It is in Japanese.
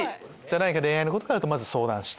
恋愛のことがあると相談して。